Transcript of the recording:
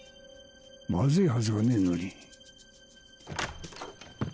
まずいはずがねえのに。